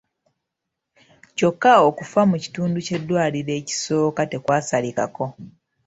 Kyokka okufa mu kitundu ky’eddwaliro ekisooka tekwasalikako.